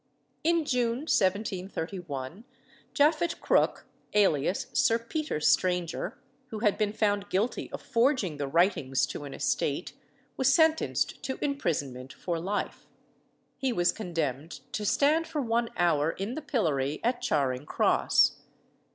In June 1731 Japhet Crook, alias Sir Peter Stranger, who had been found guilty of forging the writings to an estate, was sentenced to imprisonment for life. He was condemned to stand for one hour in the pillory at Charing Cross.